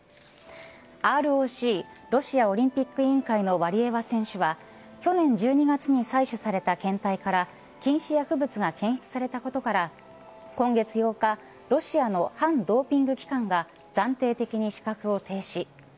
ＲＯＣロシアオリンピック委員会のワリエワ選手は去年１２月に採取された検体から禁止薬物が検出されたことから今月８日ロシアの反ドーピング機関が暫定的に資格を停止。